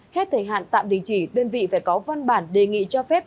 hết thời hạn tạm đình chỉ đơn vị phải có văn bản đề nghị cho phép